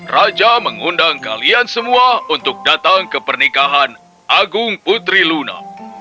raja mengundang kalian semua untuk datang ke pernikahan agung putri luna